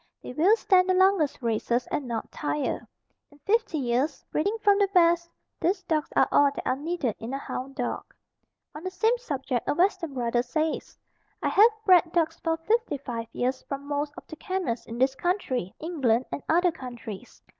They will stand the longest races and not tire. In fifty years breeding from the best, these dogs are all that are needed in a hound dog. On the same subject a Western brother says: I have bred dogs for 55 years from most of the kennels in this country, England and other countries.